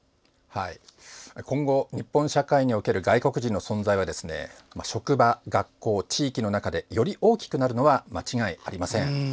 今後、日本社会における外国人の存在は職場、学校、地域の中でより大きくなるのは間違いありません。